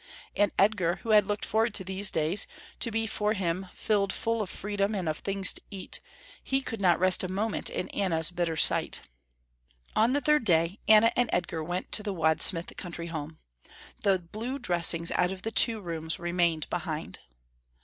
And Edgar, who had looked forward to these days, to be for him filled full of freedom and of things to eat he could not rest a moment in Anna's bitter sight. On the third day, Anna and Edgar went to the Wadsmith country home. The blue dressings out of the two rooms remained behind.